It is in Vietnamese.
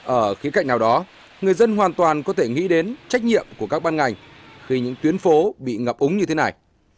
ở khía cạnh nào đó người dân hoàn toàn có thể nghĩ đến trách nhiệm của các ban ngành khi những tuyến phố bị ngập ống như thế này